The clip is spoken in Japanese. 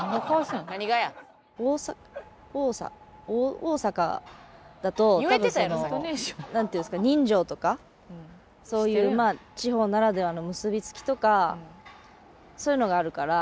「おおさおおさ大阪だと多分そのなんていうんですか人情とかそういう地方ならではの結びつきとかそういうのがあるから」